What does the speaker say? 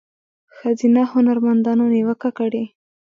ښځینه هنرمندانو نیوکه کړې